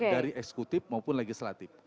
dari eksekutif maupun legislatif